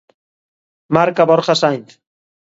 Marca Borja Sainz.